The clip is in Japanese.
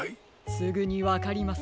すぐにわかります。